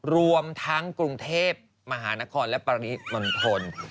รวมทั้งกรุงเทพมหานครและปริมณฑล